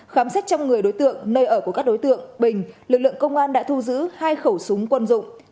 khám xét trong người đối tượng nơi ở của các đối tượng bình lực lượng công an đã thu giữ hai khẩu súng quân dụng